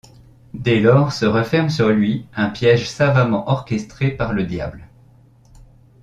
Dès lors se referme sur lui un piège savamment orchestré par le diable.